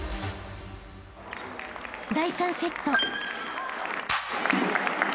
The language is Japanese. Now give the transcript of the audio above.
［第３セット］